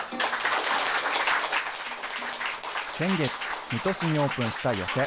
先月、水戸市にオープンした寄席。